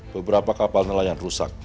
beberapa kapal nelayan rusak